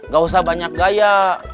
gak usah banyak gaya